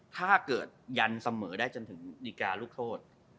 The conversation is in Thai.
ถ้าเกิดยันเสมอได้จนถึงดีการ์ลูกโทษ